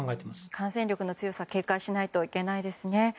感染力の強さに警戒しないといけないですね。